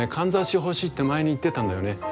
簪欲しいって前に言ってたんだよね。